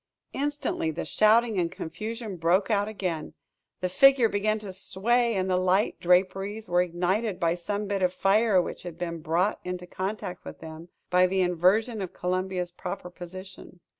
Instantly, the shouting and confusion broke out again. The figure began to sway; and the light draperies were ignited by some bit of fire which had been brought into contact with them, by the inversion of Columbia's proper position.